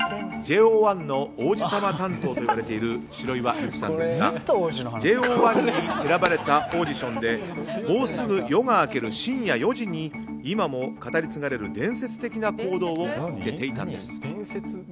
ＪＯ１の王子様担当と言われている白岩瑠姫さんですがＪＯ１に選ばれたオーディションでもうすぐ夜が明ける深夜４時に今も語り継がれる伝説的な行動を見せていたんです。